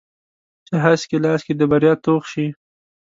چې هسک یې لاس کې د بریا توغ شي